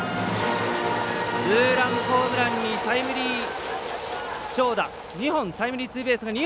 ツーランホームランに２本タイムリーツーベース！